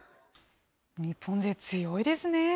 日本勢、強いですね。